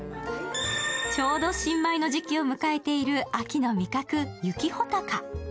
ちょうど新米の時期を迎えている秋の味覚・雪ほたか。